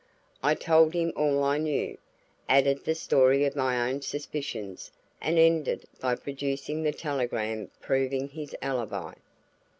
I told him all I knew, added the story of my own suspicions, and ended by producing the telegram proving his alibi.